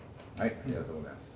ありがとうございます。